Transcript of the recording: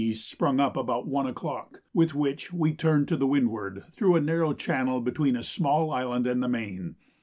sprung up about 1 o'clock, with which we turned to windward through a narrow channel between a small island and the main.